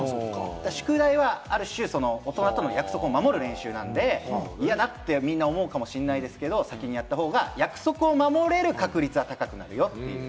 宿題はある種、大人との約束を守る練習なので、嫌だって思うかもしれないですけれど、先にやった方が約束を守れる確率は高くなるよって。